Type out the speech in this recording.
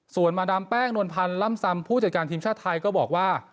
ส่วนมาดามแป้งนวลพันธ์ล่ำซำผู้จัดการทีมชาติไทยก็บอกว่า